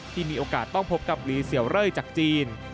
ที่มีโอกาสต้องพบกับลีเสียวเร่จากจีน